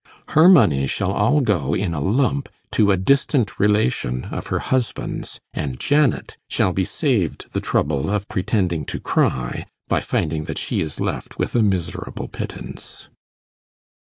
Her money shall all go in a lump to a distant relation of her husband's, and Janet shall be saved the trouble of pretending to cry, by finding that she is left with a miserable pittance.